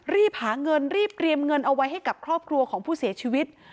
รีบหาเงินรีบเตรียมเงินเอาไว้ให้กับครอบครัวของผู้เสียชีวิต